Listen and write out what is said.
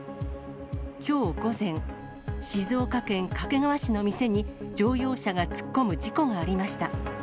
きょう午前、静岡県掛川市の店に、乗用車が突っ込む事故がありました。